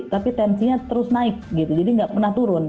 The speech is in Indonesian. tapi tensinya terus naik jadi tidak pernah turun